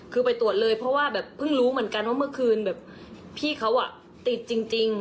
คือไปตรวจเลยเพราะว่าแบบเพิ่งรู้เหมือนกันว่าเมื่อคืนแบบพี่เขาติดจริง